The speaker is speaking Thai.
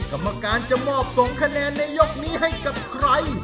กรรมการจะมอบส่งคะแนนในยกนี้ให้กับใคร